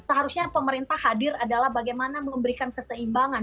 seharusnya pemerintah hadir adalah bagaimana memberikan keseimbangan